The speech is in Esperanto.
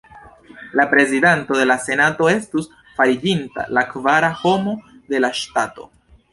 La prezidanto de la senato estus fariĝinta la kvara homo de la ŝtato.